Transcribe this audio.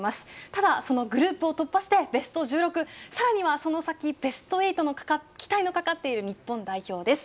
ただ、そのグループを突破してベスト１６さらにはその先ベスト８の期待のかかっている日本代表です。